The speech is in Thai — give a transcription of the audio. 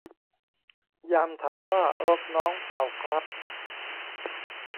ยามถามว่า รถน้องป่าวครับ